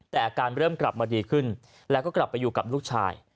แต่อาการเริ่มกลับมาดีขึ้นแล้วก็กลับไปอยู่กับลูกชาย